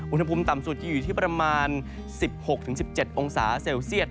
อุณหภูมิต่ำสุดจะอยู่ที่ประมาณ๑๖๑๗องศาเซลเซียต